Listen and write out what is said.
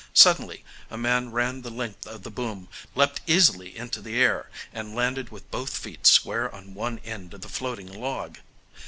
Suddenly a man ran the length of the boom, leaped easily into the air, and landed with both feet square on one end of the floating log.